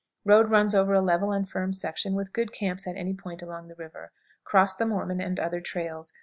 Road runs over a level and firm section, with good camps at any point along the river. Cross the Mormon and other trails.